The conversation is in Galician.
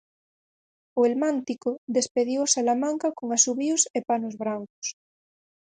O Helmántico despediu o Salamanca con asubíos e panos brancos.